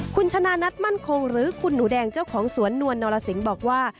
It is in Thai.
คุณชนะนัทมั่นคงหรือคุณหนูแดงเจ้าของสวนนวลนรสิงห์บอกว่า